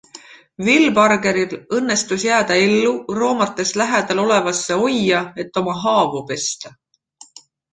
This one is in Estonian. Wilbargeril õnnestus jääda ellu, roomates lähedal olevasse ojja, et oma haavu pesta.